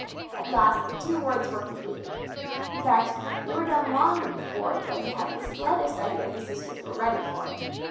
At last the two words were completed. In fact, they were done long before Benny had the slightest idea his sisters were ready for him.